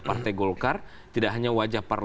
partai golkar tidak hanya wajah